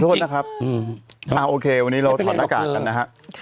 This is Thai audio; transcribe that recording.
โทษนะครับโอเควันนี้เราถอดหน้ากากกันนะฮะ